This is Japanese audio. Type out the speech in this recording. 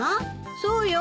そうよ。